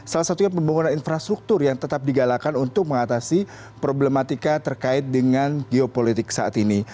salah satunya pembangunan infrastruktur yang tetap digalakan untuk mengatasi problematika terkait dengan geopolitik saat ini